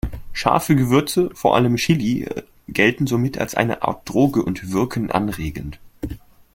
Scharfe Gewürze, vor allem Chili, gelten somit als eine Art Droge und wirken anregend.